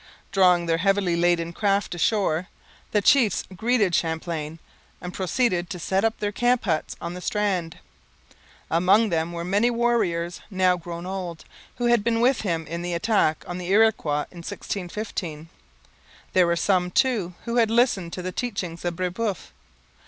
Drawing their heavily laden craft ashore, the chiefs greeted Champlain and proceeded to set up their camp huts on the strand. Among them were many warriors, now grown old, who had been with him in the attack on the Iroquois in 1615. There were some, too, who had listened to the teaching of Brebeuf.